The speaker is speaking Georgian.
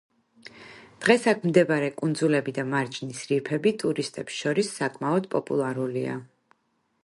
დღეს აქ მდებარე კუნძულები და მარჯნის რიფები ტურისტებს შორის საკმაოდ პოპულარულია.